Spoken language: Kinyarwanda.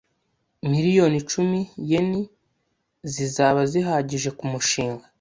Miliyoni icumi yen zizaba zihagije kumushinga.